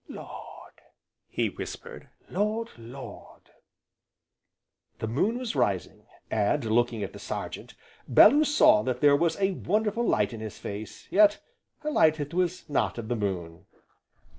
"Lord!" he whispered "Lord! Lord!" The moon was rising, and looking at the Sergeant, Bellew saw that there was a wonderful light in his face, yet a light that was not of the moon.